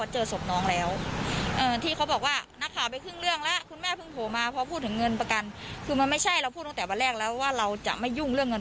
จำไม่ได้ค่ะบางทีเราก็ให้แบบ